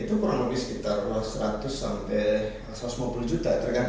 itu kurang lebih sekitar seratus sampai satu ratus lima puluh juta